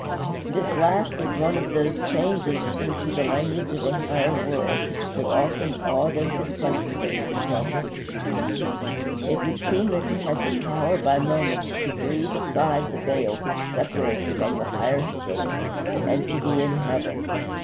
This last is one of those changes into the language of a higher world which so often awed and perplexed those who talked with Jesus. It would seem that he had the power by moments to breathe aside the veil which separates from the higher state, and to be in heaven.